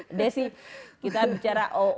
indonesia kita bisa